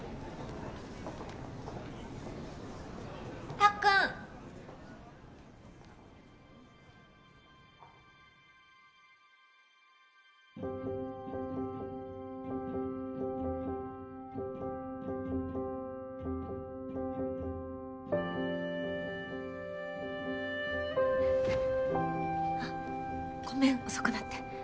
・たっくん！あっごめん遅くなって。